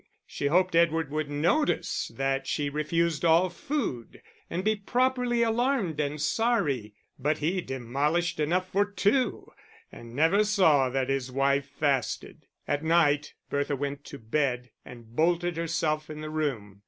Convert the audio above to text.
She hoped Edward would notice that she refused all food, and be properly alarmed and sorry. But he demolished enough for two, and never saw that his wife fasted. At night Bertha went to bed and bolted herself in the room.